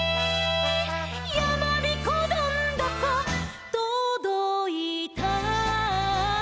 「やまびこどんどことどいた」